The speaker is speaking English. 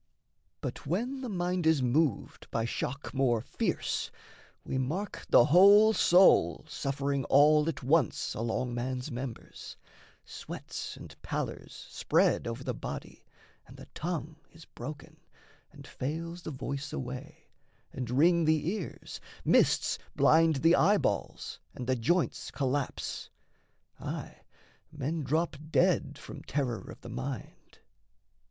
But when the mind is moved by shock more fierce, We mark the whole soul suffering all at once Along man's members: sweats and pallors spread Over the body, and the tongue is broken, And fails the voice away, and ring the ears, Mists blind the eyeballs, and the joints collapse, Aye, men drop dead from terror of the mind.